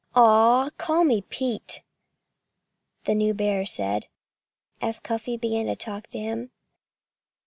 "Aw call me Pete," the new bear said, as Cuffy began to talk to him.